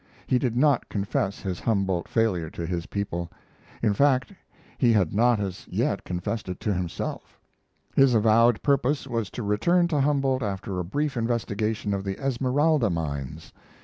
He did not confess his Humboldt failure to his people; in fact, he had not as yet confessed it to himself; his avowed purpose was to return to Humboldt after a brief investigation of the Esmeralda mines.